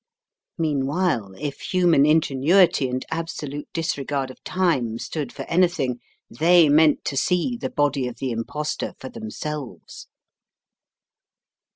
Meanwhile, if human ingenuity and absolute dis regard of time stood for anything, they meant to see the body of the impostor for themselves.